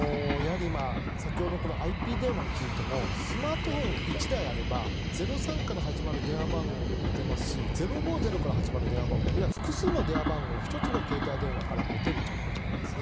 今、先ほどのＩＰ電話についてもスマートフォン１台あれば「０３」から始まる電話番号も持てますし「０５０」から始まる電話番号も要は複数の電話番号を１つの携帯電話から持てるということなんですね。